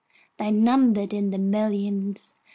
They numbered in the millions.